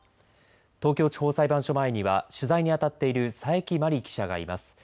東京地方裁判所前には取材にあたっている佐伯麻里記者がいます。